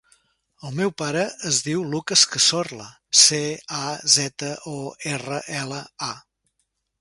El meu pare es diu Lucas Cazorla: ce, a, zeta, o, erra, ela, a.